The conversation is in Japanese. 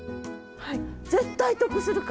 はい。